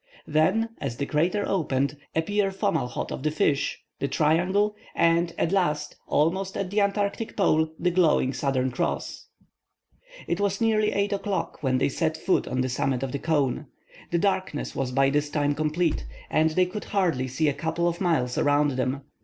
Then, as the crater opened, appeared Fomalhaut of the Fish, the Triangle, and at last, almost at the Antarctic pole, the glowing Southern Cross. It was nearly 8 o'clock when they set foot on the summit of the cone. The darkness was by this time complete, and they could hardly see a couple of miles around them.